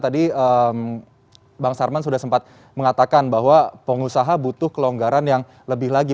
tadi bang sarman sudah sempat mengatakan bahwa pengusaha butuh kelonggaran yang lebih lagi